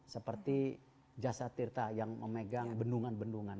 seperti jasa tirta yang memegang bendungan bendungan